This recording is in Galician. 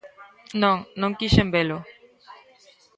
Non, non quixen velo.